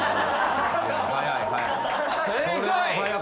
正解！